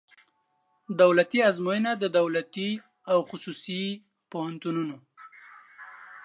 دولتي آزموینه د دولتي او خصوصي پوهنتونونو